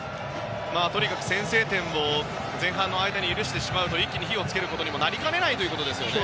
とにかく先制点を前半の間に許してしまうと一気に火を付けることになりかねないということですね。